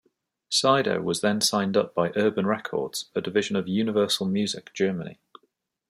Sido was then signed up by Urban Records, a division of Universal Music Germany.